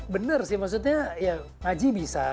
bener sih maksudnya ya ngaji bisa